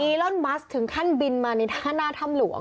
อีรอนมัสถึงขั้นบินมาในท่านาธรรมหลวง